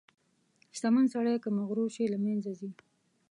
• شتمن سړی که مغرور شي، له منځه ځي.